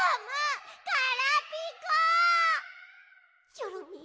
チョロミー